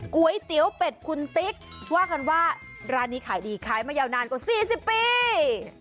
ก๋วยเตี๋ยวเป็ดคุณติ๊กว่ากันว่าร้านนี้ขายดีขายมายาวนานกว่า๔๐ปี